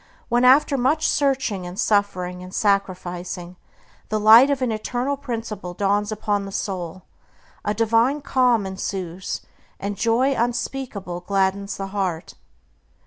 When, after much searching, and suffering, and sacrificing, the light of an eternal principle dawns upon the soul, a divine calm ensues and joy unspeakable gladdens the heart.